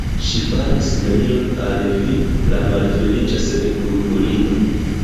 Ŝi faris nenion al vi, la malfeliĉa senkulpulino.